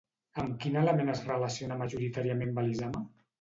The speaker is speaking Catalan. Amb quin element es relaciona majoritàriament Belisama?